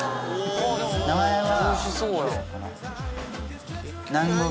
名前は。